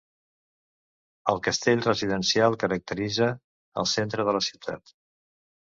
El castell residencial caracteritza el centre de la ciutat.